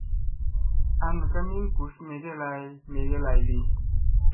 An ka min gus mege lay megeblayɗi.